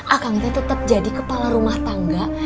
akan kita tetap jadi kepala rumah tangga